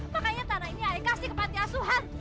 makanya tanah ini ayo kasih ke pantai asuhan